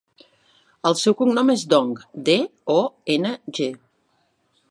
El seu cognom és Dong: de, o, ena, ge.